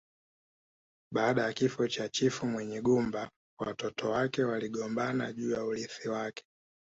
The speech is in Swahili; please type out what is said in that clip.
Baada ya kifo cha chifu Munyigumba watoto wake waligombana juu ya urithi wake